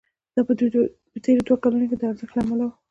دا په تېرو دوو کلونو کې د ارزښت له امله وو